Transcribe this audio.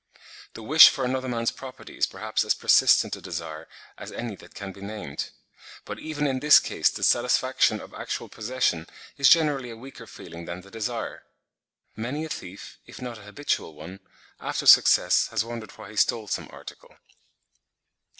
The wish for another man's property is perhaps as persistent a desire as any that can be named; but even in this case the satisfaction of actual possession is generally a weaker feeling than the desire: many a thief, if not a habitual one, after success has wondered why he stole some article.